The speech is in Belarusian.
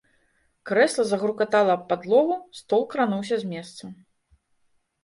Крэсла загрукатала аб падлогу, стол крануўся з месца.